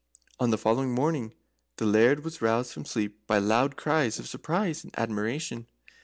On the following morning the Laird was roused from sleep by loud cries of surprise and admiration.